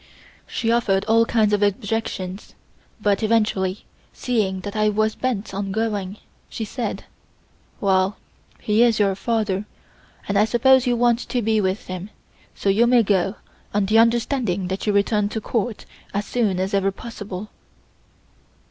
She offered all kinds of objections but eventually, seeing that I was bent on going, she said: "Well, he is your father, and I suppose you want to be with him, so you may go on the understanding that you return to Court as soon as ever possible."